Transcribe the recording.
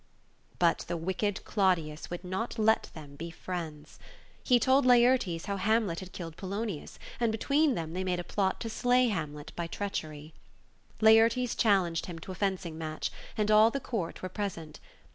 But the wicked Claudius would not let them be friends. He told Laertes how Hamlet had killed old Polonius, and between them they made a plot to slay Hamlet by treachery. Laertes challenged him to a fencing match, and all the Court were present.